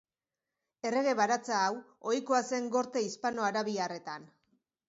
Errege baratza hau, ohikoa zen gorte hispano-arabiarretan.